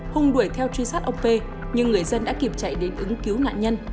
hùng đuổi theo truy sát ông p nhưng người dân đã kịp chạy đến ứng cứu nạn nhân